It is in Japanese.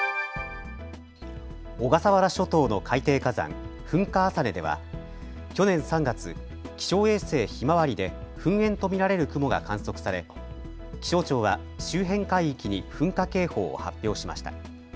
小笠原諸島の海底火山、噴火浅根では去年３月、気象衛星ひまわりで噴煙と見られる雲が観測され気象庁は周辺海域に噴火警報を発表しました。